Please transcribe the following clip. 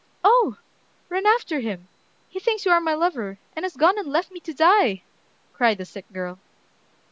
"Oh! run after him! He thinks you are my lover, and has gone and left me to die!" cried the sick girl.